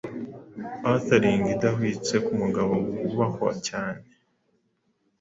Atheling idahwitse kumugabo wubahwa cyane